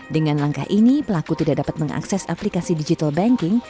dengan langkah ini pelaku tidak dapat mengakses aplikasi digital banking